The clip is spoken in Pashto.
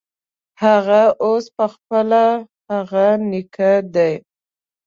هغه اوس پخپله هغه نیکه دی.